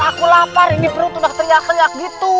aku lapar perutku sudah teriak teriak